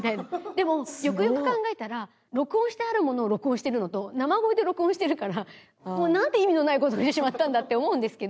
でもよくよく考えたら録音してあるものを録音してるのと生声で録音してるからもうなんて意味のない事をしてしまったんだって思うんですけど。